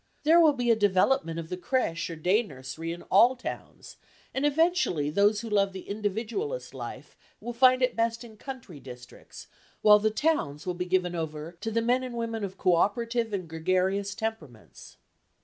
There will be a development of the crèche or day nursery in all towns, and eventually those who love the individualist life will find it best in country districts, while the towns will be given over to the men and women of co operative and gregarious temperaments.